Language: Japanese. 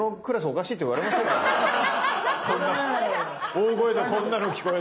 大声でこんなの聞こえたら。